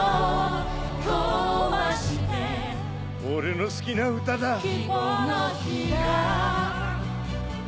「俺の好きな歌だ」